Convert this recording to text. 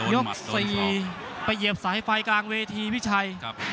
ยก๔ไปเหยียบสายไฟกลางเวทีพี่ชัย